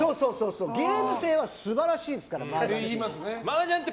ゲーム性は素晴らしいですからマージャンは。